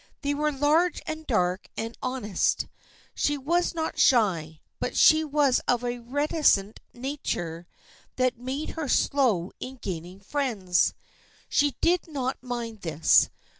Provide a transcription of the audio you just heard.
They were large and dark and honest. She was not shy, but she was of a reticent nature that made her slow in gaining friends. She did not mind this.